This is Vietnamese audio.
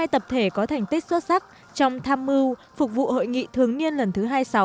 hai tập thể có thành tích xuất sắc trong tham mưu phục vụ hội nghị thường niên lần thứ hai mươi sáu